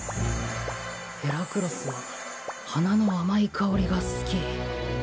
ヘラクロスは花の甘い香りが好き。